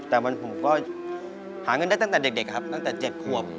แต่ผมก็หาเงินได้ตั้งแต่เด็กครับตั้งแต่๗ขวบ